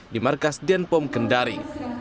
di markas denpom kendari